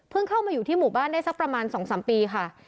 เข้ามาอยู่ที่หมู่บ้านได้สักประมาณ๒๓ปีค่ะ